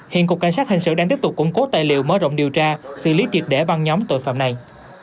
hiện cục cảnh sát hình sự đang tiếp tục củng cố tài liệu mở rộng điều tra xử lý triệt để băng nhóm tội phạm này